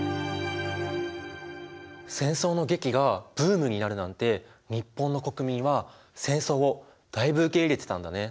戦争の劇がブームになるなんて日本の国民は戦争をだいぶ受け入れてたんだね。